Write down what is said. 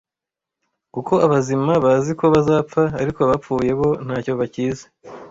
Kuko abazima bazi ko bazapfa, ariko abapfuye bo nta cyo bakizi